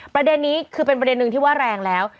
ประเด็นนี้คือเป็นประเด็นหนึ่งที่ว่าแรงแล้ว